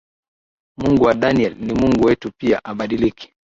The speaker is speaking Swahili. Mungu wa daniel ni mungu wetu pia habadiliki.